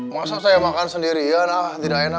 masa saya makan sendirian tidak enak